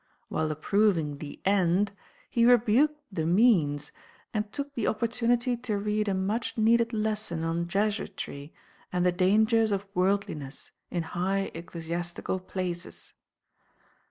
While approving the end he rebuked the means, and took the opportunity to read a much needed lesson on Jesuitry and the dangers of worldliness in high ecclesiastical places.